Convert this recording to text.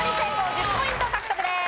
１０ポイント獲得です。